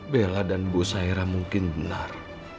bella dan ibu saira mungkin benar